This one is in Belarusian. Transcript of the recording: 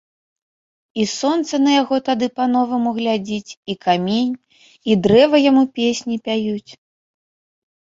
І сонца на яго тады па-новаму глядзіць, і камень, і дрэва яму песні пяюць.